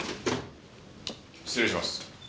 失礼します。